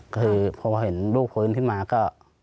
คือพอเห็นลูกฟื้นขึ้นมาก็